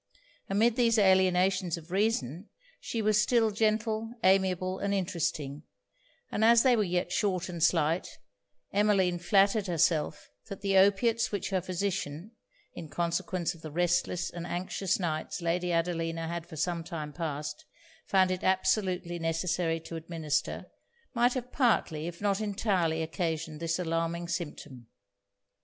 Amid these alienations of reason, she was still gentle, amiable and interesting; and as they were yet short and slight, Emmeline flattered herself, that the opiates which her physician (in consequence of the restless and anxious nights Lady Adelina had for some time passed) found it absolutely necessary to administer, might have partly if not entirely occasioned this alarming symptom.